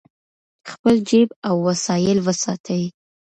خپل جیب او وسایل وساتئ.